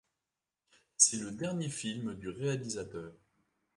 C'est le dernier film du réalisateur.